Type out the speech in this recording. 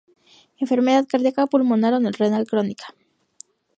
Enfermedad cardíaca, pulmonar o renal crónica.